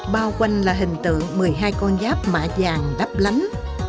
bao quanh là hình tượng một mươi hai con giáp mã vàng đắp lánh